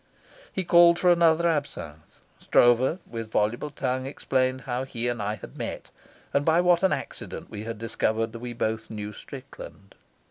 He called for another absinthe. Stroeve, with voluble tongue, explained how he and I had met, and by what an accident we discovered that we both knew Strickland.